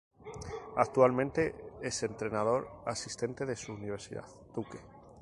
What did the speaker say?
Actualmente es entrenador asistente de su universidad, Duke.